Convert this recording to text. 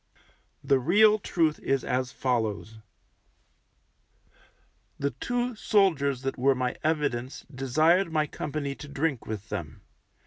The real truth is as follows: The two soldiers that were my evidence desired my company to drink with them.